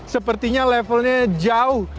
sepertinya levelnya jauh